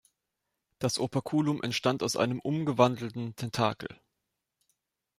Das Operculum entstand aus einem umgewandelten Tentakel.